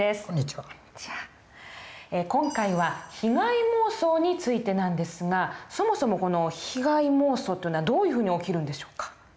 今回は被害妄想についてなんですがそもそもこの被害妄想というのはどういうふうに起きるんでしょうか？